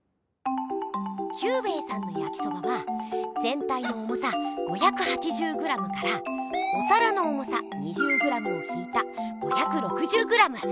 キュウベイさんのやきそばはぜん体の重さ５８０ｇからお皿の重さ２０ｇを引いた５６０ｇ。